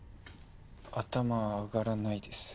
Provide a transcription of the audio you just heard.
頭上がらないです。